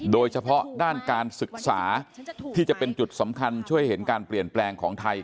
โดยเฉพาะด้านการศึกษาที่จะเป็นจุดสำคัญช่วยเห็นการเปลี่ยนแปลงของไทย